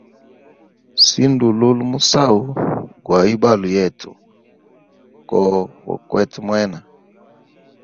Sindulula musau gwa ibalo yetu ko wokwete mwena.